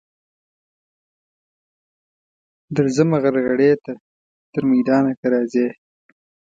درځمه غرغړې ته تر میدانه که راځې.